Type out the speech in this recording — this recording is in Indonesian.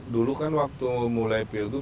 dulu kan waktu mulai pilgub